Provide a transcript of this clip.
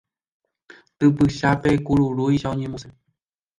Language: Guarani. Typychápe kururúicha oñemosẽ